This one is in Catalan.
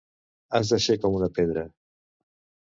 Has de ser com una pedra.